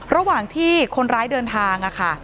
ระหว่างที่คนร้ายเดินทางค่ะ